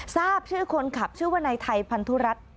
ทราบชื่อคนขับชื่อว่านายไทยพันธุรัตน์